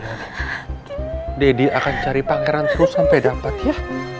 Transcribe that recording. deddy akan cari pangeran terus sampai dapat ya